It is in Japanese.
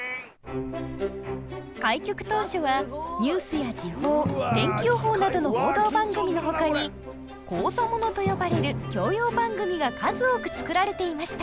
開局当初はニュースや時報天気予報などの報道番組のほかに講座ものと呼ばれる教養番組が数多く作られていました。